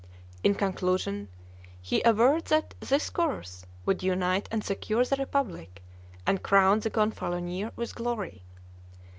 In conclusion, he averred that this course would unite and secure the republic, and crown the Gonfalonier with glory.